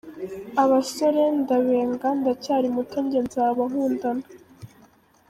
Abasore ndabenga, ndacyari muto njye nzaba nkundana.